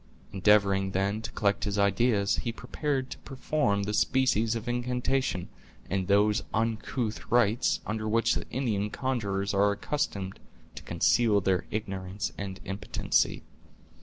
Endeavoring, then, to collect his ideas, he prepared to perform that species of incantation, and those uncouth rites, under which the Indian conjurers are accustomed to conceal their ignorance and impotency.